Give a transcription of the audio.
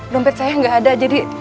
lompat saya gak ada jadi